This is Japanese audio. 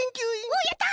おやった！